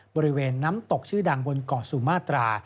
บริเวณน้ำตกชื่อดังบนเกาะสุมาตรา